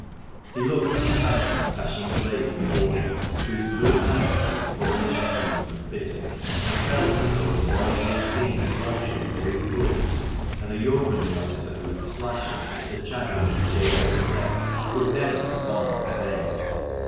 He looked at the handsome, dashing blade before him, whose blue eyes seem full of gentleness and pity, and felt as though the boy he had seen torturing old Brookes, and the yeomanry officer who had slashed at Mr. Chadwick and Jabez Clegg, could never be one and the same.